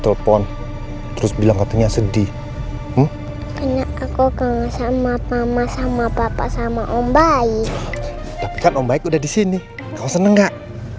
telepon terus bilang katanya sedih aku sama papa sama om baik baik udah disini kau seneng nggak